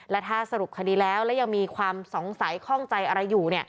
และถ้าสรุปคดีแล้วแล้วยังมีความสงสัยข้องใจอะไรอยู่